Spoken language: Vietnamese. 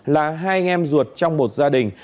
là hai anh em ruột trong một gia đình